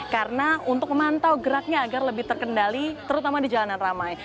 karena untuk memantau geraknya agar lebih terkendali terutama di jalanan ramai